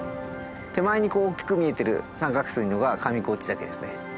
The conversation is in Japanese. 手前に大きく見えてる三角錐のが上河内岳ですね。